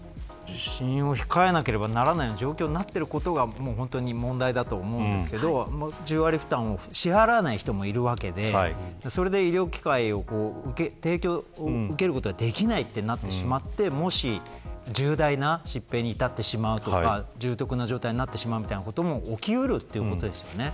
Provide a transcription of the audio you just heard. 受診を控えなければいけない状況になってることが問題だと思いますけど１０割負担を支払わない人もいるわけでそれで医療を受けることができないとなってしまってもし重大な疾病に至ってしまったり重篤な状態になってしまうということも起きうるわけですよね。